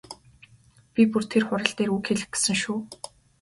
Би бүр тэр хурал дээр үг хэлэх гэсэн шүү.